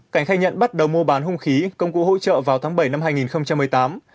cảnh khai nhận bắt đầu mua bán hung khí công cụ hỗ trợ vào tháng bảy năm hai nghìn một mươi tám